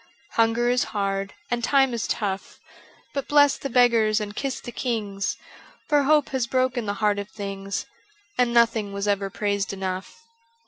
Hunger is hard and time is tough, But bless the beggars and kiss the kings. For hope has broken the heart of things, And nothing was ever praised enough.